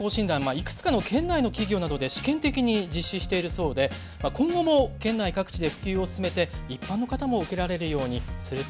いくつかの県内の企業などで試験的に実施しているそうで今後も県内各地で普及を進めて一般の方も受けられるようにするということなんです。